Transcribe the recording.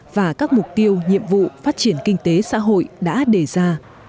và các mục tiêu nhiệm vụ phát triển kinh tế xã hội đã đề ra